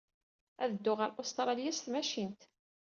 Ad dduɣ ɣer Ustṛalya s tmacint.